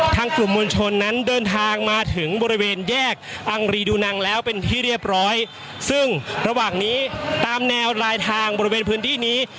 กลุ่มมวลชนนั้นเดินทางมาถึงบริเวณแยกอังรีดูนังแล้วเป็นที่เรียบร้อยซึ่งระหว่างนี้ตามแนวลายทางบริเวณพื้นที่นี้